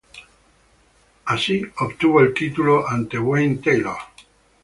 Así, obtuvo el título ante Wayne Taylor.